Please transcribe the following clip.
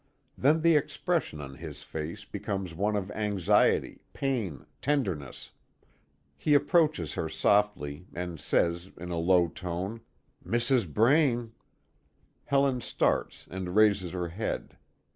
Then the expression on his face becomes one of anxiety, pain, tenderness. He approaches her softly, and says in a low tone: "Mrs. Braine!" Helen starts and raises her head.